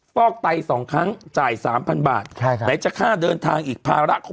ฟอกไตสองครั้งจ่ายสามพันบาทใช่ครับไหนจะค่าเดินทางอีกภาระของ